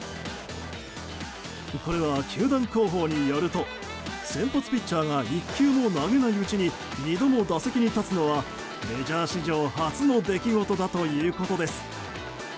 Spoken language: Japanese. これは球団広報によると先発ピッチャーが１球も投げないうちに２度も打席に立つのはメジャー史上初の出来事だということです。